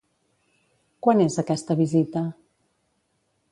Quan és aquesta visita?